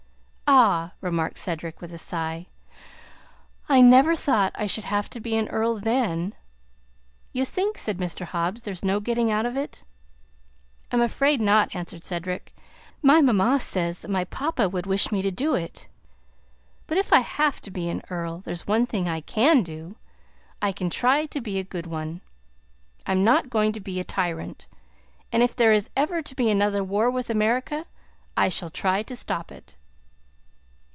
"Ah," remarked Cedric, with a sigh, "I never thought I should have to be an earl then!" "You think," said Mr. Hobbs, "there's no getting out of it?" "I'm afraid not," answered Cedric. "My mamma says that my papa would wish me to do it. But if I have to be an earl, there's one thing I can do: I can try to be a good one. I'm not going to be a tyrant. And if there is ever to be another war with America, I shall try to stop it."